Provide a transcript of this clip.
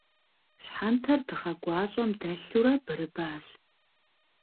Щхьэнтэр дыгъэ гуащӏэм дэлъурэ бырыбащ.